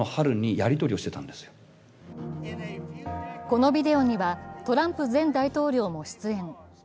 このビデオにはトランプ前大統領も出演。